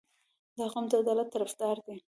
• دا قوم د عدالت طرفدار دی.